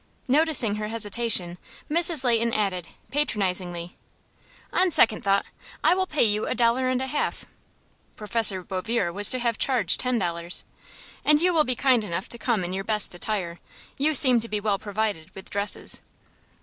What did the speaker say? Noticing her hesitation, Mrs. Leighton added, patronizingly: "On second thought, I will pay you a dollar and a half" Prof. Bouvier was to have charged ten dollars "and you will be kind enough to come in your best attire. You seem to be well provided with dresses."